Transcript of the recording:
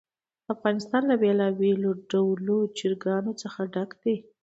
افغانستان له بېلابېلو ډولو چرګانو څخه ډک دی.